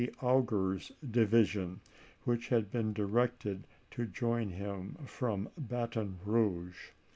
Augur's division, which had been directed to join him from Baton Rouge.